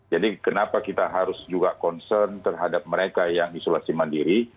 jadi kenapa kita harus juga concern terhadap mereka yang isolasi mandiri